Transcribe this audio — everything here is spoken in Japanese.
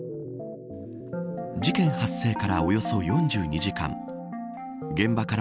事件発生からおよそ４２時間現場から、